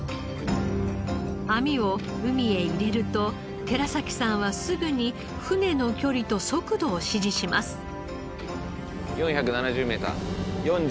網を海へ入れると寺崎さんはすぐに船の距離と速度を指示します。